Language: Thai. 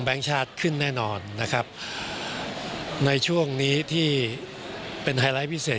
ชาติขึ้นแน่นอนนะครับในช่วงนี้ที่เป็นไฮไลท์พิเศษ